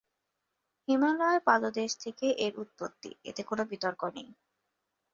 হিমালয়ের পাদদেশ থেকেই এর উৎপত্তি এতে কোনো বিতর্ক নেই।